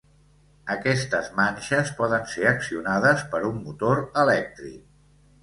Aquestes manxes poden ser accionades per un motor elèctric.